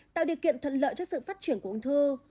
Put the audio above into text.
tạo điều kiện thuận lợi cho sự phát triển của ung thư